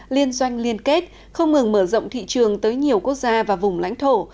liên doanh liên kết không ngừng mở rộng thị trường tới nhiều quốc gia và vùng lãnh thổ